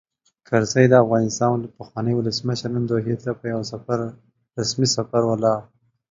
کرزی؛ د افغانستان پخوانی ولسمشر، نن دوحې ته په یوه رسمي سفر ولاړ.